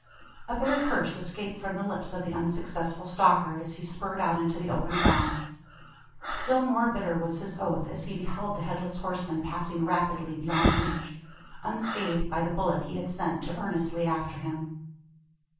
A bitter curse escaped from the lips of the unsuccessful stalker as he spurred out into the open ground. Still more bitter was his oath, as he beheld the Headless Horseman passing rapidly beyond reach unscathed by the bullet he had sent to earnestly after him.